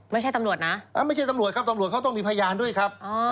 ไม่ใช่ตำรวจนะไม่ใช่ตำรวจครับตำรวจเขาต้องมีพยานด้วยครับ